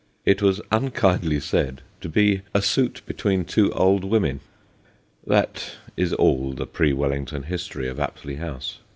It was un kindly said to be a suit between two old women. That is all the pre Wellington history of Apsley House.